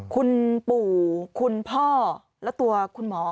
คุณปู่คุณพ่อและตัวคุณหมอ